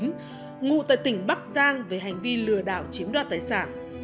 ngô đức thắng sinh năm một nghìn chín trăm chín mươi chín ngụ tại tỉnh bắc giang về hành vi lừa đảo chiếm đoạt tài sản